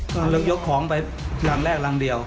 ตอนยกของไปลังแรกลังเดียว